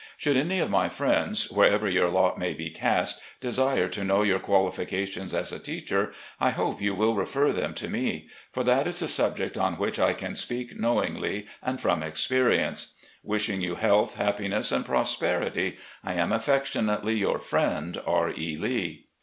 Should any of my friends, wherever your lot may be cast, desire to loiow your qualifications as a teacher, I hope you will refer them to me; for that is a subject on which I can speak know ingly and from experience. Wishing you health, hap piness, and prosperity, I am, affectionately, "Your friend, "R. E. Lee."